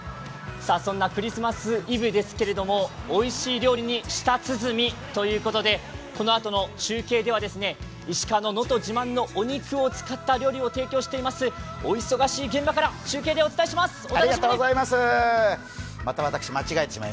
そんなクリスマスイブですけれども、おいしい料理に舌鼓ということでこのあとの中継では石川の能登自慢のお肉を使った料理を提供していますお忙しい現場から中継でお伝えします。